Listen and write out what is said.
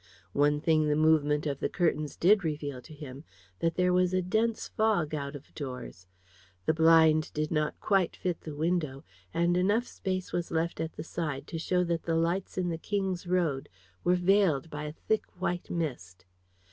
One thing the movement of the curtains did reveal to him, that there was a dense fog out of doors. The blind did not quite fit the window, and enough space was left at the side to show that the lights in the King's Road were veiled by a thick white mist.